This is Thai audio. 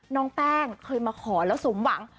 น้องแป้งเคยมาขอแล้วสมหวัง